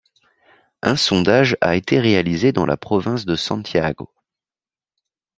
Un sondage a été réalisé dans la province de Santiago.